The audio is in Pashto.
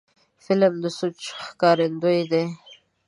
فلم د سوچ ښکارندوی دی